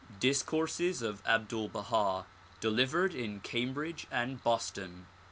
Discourses of Abdul Baha delivered in Cambridge and Boston.